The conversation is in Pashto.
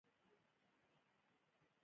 ډيپلومات د نړېوالو سره د همکارۍ ملاتړ کوي.